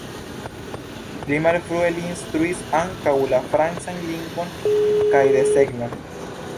Pli malfrue li instruis ankaŭ la francan lingvon kaj desegnon.